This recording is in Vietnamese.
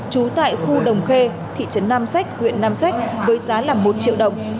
trú tại khu đồng khê thị trấn nam sách huyện nam sách với giá là một triệu đồng